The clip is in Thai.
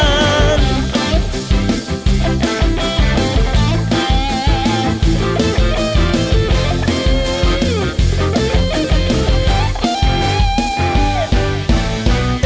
เอ๊ะไงเห็นฉันลำน้ำน้ำน้ำ